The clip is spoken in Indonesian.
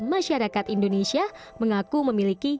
masyarakat indonesia mengaku memiliki